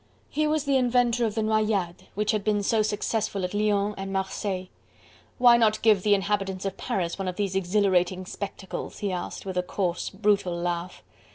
He was the inventor of the "Noyades," which had been so successful at Lyons and Marseilles. "Why not give the inhabitants of Paris one of these exhilarating spectacles?" he asked with a coarse, brutal laugh.